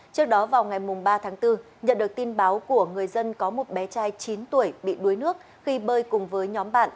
trước đó vào ngày ba tháng bốn nhận được tin báo của người dân có một bé trai chín tuổi bị đuối nước khi bơi cùng với nhóm bạn